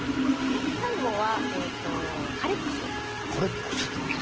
最後はカレックスです。